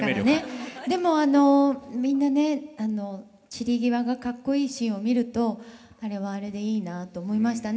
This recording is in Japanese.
でもあのみんなね散り際がかっこいいシーンを見るとあれはあれでいいなと思いましたね。